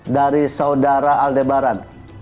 dari saudara aldebaran